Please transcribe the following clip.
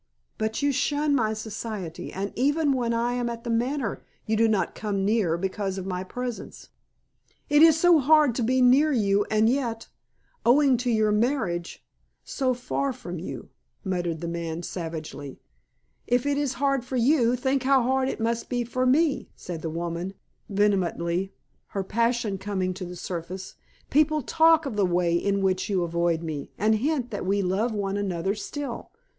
But you shun my society, and even when I am at The Manor, you do not come near because of my presence." "It is so hard to be near you and yet, owing to your marriage, so far from you," muttered the man savagely. "If it is hard for you, think how hard it must be for me," said the woman vehemently, her passion coming to the surface. "People talk of the way in which you avoid me, and hint that we love one another still."